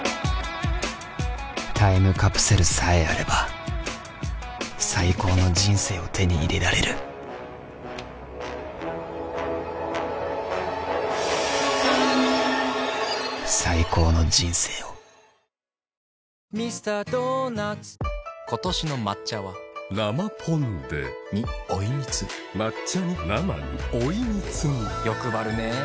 タイムカプセルさえあれば最高の人生を手に入れられる最高の人生をよし拓真！